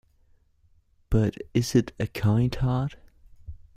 But is it a kind heart?